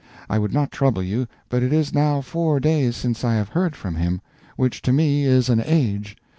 I would not trouble you, but it is now four days since I have heard from him, which to me is an age.